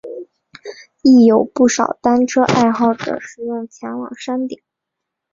亦有不少单车爱好者使用前往山顶。